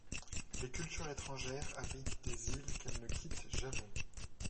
Les cultures étrangères habitent des îles qu'elles ne quittent jamais.